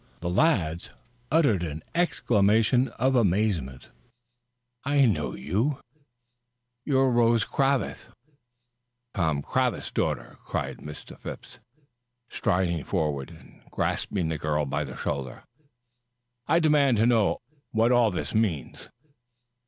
The lads uttered an exclamation of amazement. "I know you now. You're Rose Cravath, Tom Cravath's daughter!" cried Phipps, striding forward and grasping the girl by the shoulder. "I demand to know what all this means?"